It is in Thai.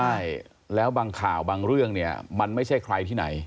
ใช่แล้วบางข่าวบางเรื่องเนี่ยมันไม่ใช่ใครที่ไหน